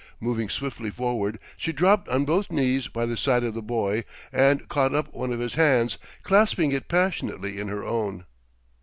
Moving swiftly forward, she dropped on both knees by the side of the boy, and caught up one of his hands, clasping it passionately in her own.